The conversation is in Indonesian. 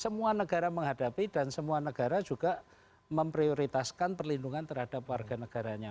semua negara menghadapi dan semua negara juga memprioritaskan perlindungan terhadap warga negaranya